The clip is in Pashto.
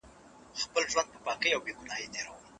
چا رسول الله ته د ډوډۍ خوړلو بلنه ورکړه؟